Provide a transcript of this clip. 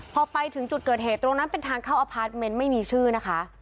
พอไปถึงจุดเกิดเหตุตรงนั้นเป็นทางเข้าอพาร์ทเมนต์ไม่มีชื่อนะคะ